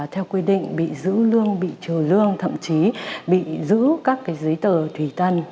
theo quy định bị giữ lương bị trừ lương thậm chí bị giữ các giấy tờ thủy tân